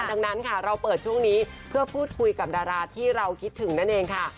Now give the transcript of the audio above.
ดังนั้นค่ะเราเปิดช่วงนี้เพื่อพูดคุยกับดาราที่เราคิดถึงนั่นเองค่ะ